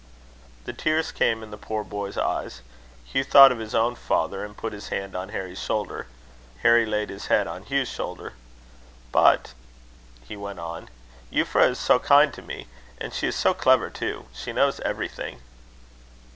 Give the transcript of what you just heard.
The tears came in the poor boy's eyes. Hugh thought of his own father, and put his hand on Harry's shoulder. Harry laid his head on Hugh's shoulder. "But," he went on, "Euphra is so kind to me! And she is so clever too! She knows everything."